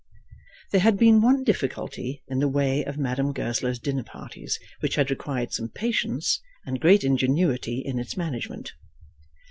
There had been one difficulty in the way of Madame Goesler's dinner parties which had required some patience and great ingenuity in its management.